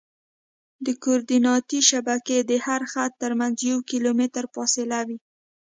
د کورډیناتي شبکې د هر خط ترمنځ یو کیلومتر فاصله وي